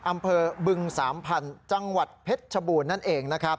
อำเภอบึงสามพันธุ์จังหวัดเพชรชบูรณ์นั่นเองนะครับ